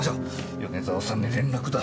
米沢さんに連絡だ。